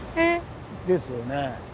ですよね。